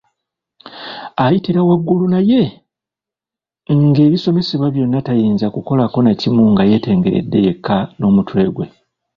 Ayitira waggulu, naye nga ebisomesebwa byonna tayinza kukolako nakimu nga yeetengeredde yekka n'omutwe gwe.